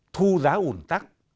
thu giá ủn tắc